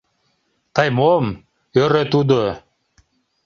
— Тый мом? — ӧрӧ тудо.